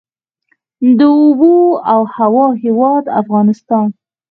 د اوبو او هوا هیواد افغانستان.